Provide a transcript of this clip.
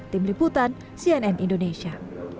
tim liputan cnn indonesia